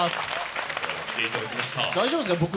大丈夫ですか？